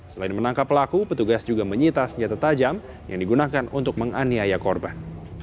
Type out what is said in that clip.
selain menangkap pelaku petugas juga menyita senjata tajam yang digunakan untuk menganiaya korban